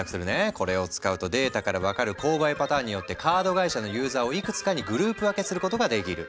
これを使うとデータから分かる購買パターンによってカード会社のユーザーをいくつかにグループ分けすることができる。